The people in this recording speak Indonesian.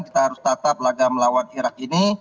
kita harus tatap laga melawan irak ini